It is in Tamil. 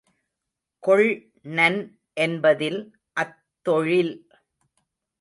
கொள்நன் என்பதில் அத் தொழில்